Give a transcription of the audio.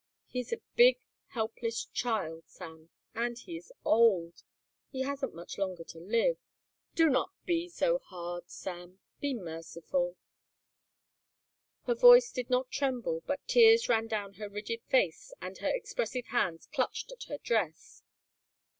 He is a big helpless child, Sam, and he is old. He hasn't much longer to live. Do not be hard, Sam. Be merciful." Her voice did not tremble but tears ran down her rigid face and her expressive hands clutched at her dress.